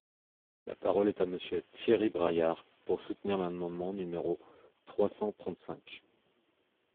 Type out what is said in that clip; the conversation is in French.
La parole est à Monsieur Thierry Braillard, pour soutenir l’amendement numéro trois cent trente-cinq.